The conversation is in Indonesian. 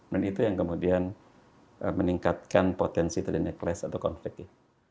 dan itu yang kemudian meningkatkan potensi tanda tanda atau konfliknya